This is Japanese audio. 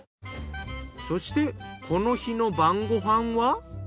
そしてこの日の晩ご飯は。